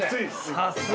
さすが！